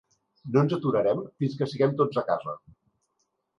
No ens aturarem fins que sigueu tots a casa!